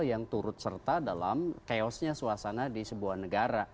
yang turut serta dalam chaosnya suasana di sebuah negara